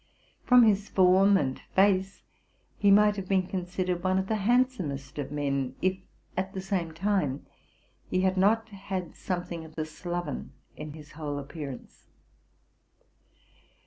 From his form and face he might have been considered one of the handsomest of men, if, at the same time, he had not had something of the sloy en in his whole appearance.